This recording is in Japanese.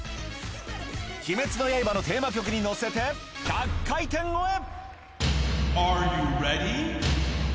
鬼滅の刃のテーマ曲に乗せて、１００回転超え。